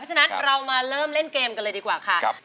ฉะนั้นเรามาเริ่มเล่นเกมกันเลยดีกว่าค่ะ